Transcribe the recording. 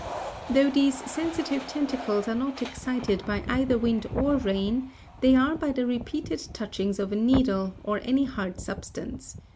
Though these sensitive tentacles are not excited by either wind or rain they are by the repeated touchings of a needle, or any hard substance.